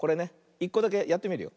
１こだけやってみるよ。